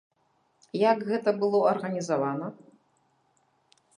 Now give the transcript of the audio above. Як гэта было арганізавана?